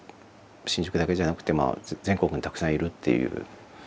新宿だけじゃなくて全国にたくさんいるっていう。